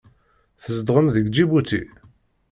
Tzedɣem deg Ǧibuti?